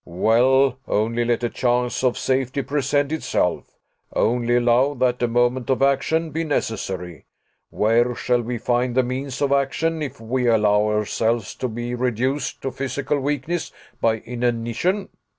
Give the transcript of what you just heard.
"Well, only let a chance of safety present itself only allow that a moment of action be necessary where shall we find the means of action if we allow ourselves to be reduced to physical weakness by inanition?"